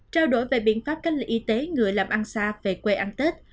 trao đổi về biện pháp cách ly y tế người làm ăn xa về quê ăn tết